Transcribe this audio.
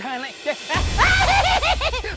ya allah bakul ketemu getok